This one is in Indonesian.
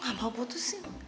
gak mau putusin